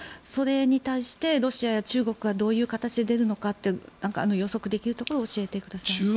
それに対してロシアや中国がどういう形で出るのかというのは予測できるところを教えてください。